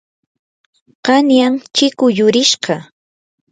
qanyan chikuu yurishqa.